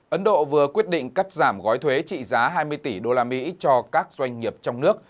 ấn độ vừa quyết định cắt giảm gói thuế trị giá hai mươi tỷ usd cho các doanh nghiệp trong nước